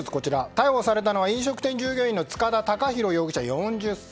逮捕されたのは飲食店従業員の塚田隆裕容疑者、４０歳。